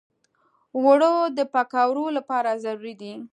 اوړه د پکوړو لپاره ضروري دي